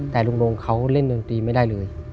แต่ลุงโรงเขาเล่นดนตรีไม่ได้เลย